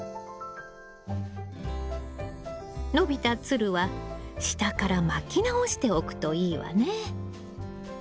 伸びたつるは下から巻き直しておくといいわね。